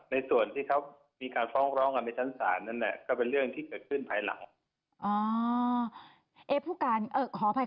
ในส่วนที่เขามีการฟ้องร้องกันในชั้นศาลนั่นแหละก็เป็นเรื่องที่เกิดขึ้นภายหลัง